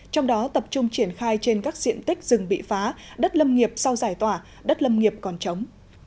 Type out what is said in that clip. trong đó tập trung triển khai trên các diện tích rừng bị phá đất lâm nghiệp sau giải tỏa đất lâm nghiệp còn trống